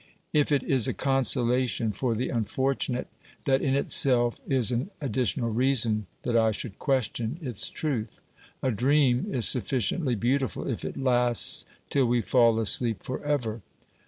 If it is a consolation for the unfortunate, that in itself is an additional reason that I should question its truth. A dream is sufificiently beautiful if it lasts till we fall asleep for ever.